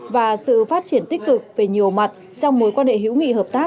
và sự phát triển tích cực về nhiều mặt trong mối quan hệ hữu nghị hợp tác